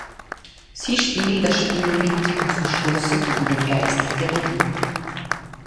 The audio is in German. Sie spielen das Spiel mit und verstoßen gegen den Geist der Regeln.